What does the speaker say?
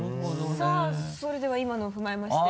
さぁそれでは今のを踏まえまして。